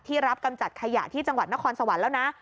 รับกำจัดขยะที่จังหวัดนครสวรรค์แล้วนะ